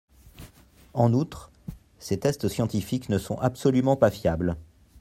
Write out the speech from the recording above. En outre, ces tests scientifiques ne sont absolument pas fiables.